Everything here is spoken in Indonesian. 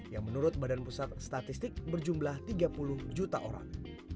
yang menurut badan pusat statistik berjumlah tiga puluh juta orang